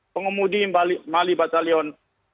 pengemudi mali batalion